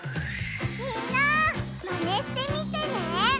みんなマネしてみてね！